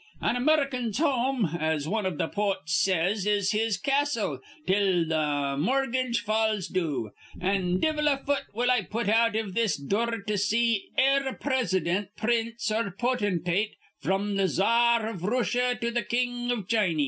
An Amurrican's home, as wan iv th' potes says, is his castle till th' morgedge falls due. An' divvle a fut will I put out iv this dure to see e'er a prisidint, prince, or potentate, fr'm th' czar iv Rooshia to th' king iv Chiny.